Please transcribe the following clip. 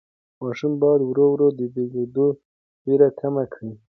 ماشوم باید ورو ورو د بېلېدو وېره کمه کړي.